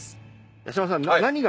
八嶋さん。